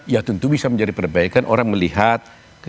ya tentu bisa menjadi perbaikan orang melihat